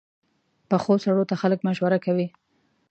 پخو سړو ته خلک مشوره کوي